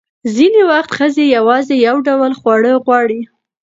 ځینې وخت ښځې یوازې یو ډول خواړه غواړي.